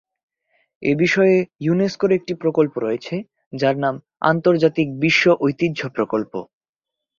এ বিষয়ে ইউনেস্কোর একটি প্রকল্প রয়েছে যার নাম "আন্তর্জাতিক বিশ্ব ঐতিহ্য প্রকল্প"।